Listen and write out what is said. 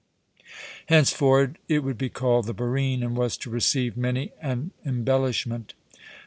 Henceforward it would be called the Barine, and was to receive many an embellishment.